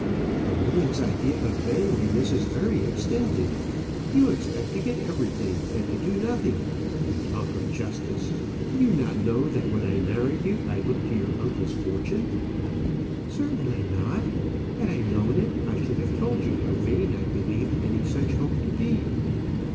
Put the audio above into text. "A woman's idea of manliness is very extended. You expect to get everything, and to do nothing. You talk of justice! Do you not know that when I married you, I looked to your uncle's fortune?" "Certainly not: had I known it, I should have told you how vain I believed any such hope to be."